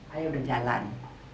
ayah udah jalan